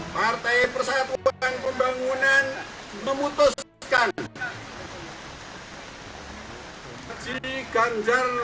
presiden ganjar presiden ganjar